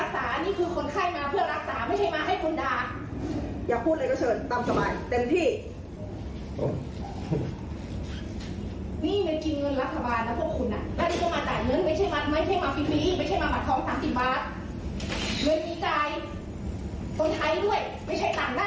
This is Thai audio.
แพทย์คือผู้รักษาอันนี้คือคนไข้มาเพื่อรักษาไม่ใช่มาให้คนดา